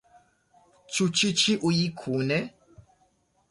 Ĉu ĉi ĉiuj kune?